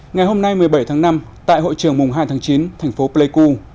ngày hôm nay một mươi bảy tháng năm tại hội trường mùng hai tháng chín thành phố pleiku